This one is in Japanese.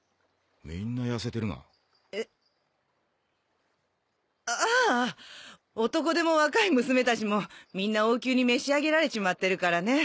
みんな痩せてるがえっあああ男手も若い娘たちもみんな王宮に召し上げられちまってるからね